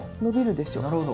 なるほど。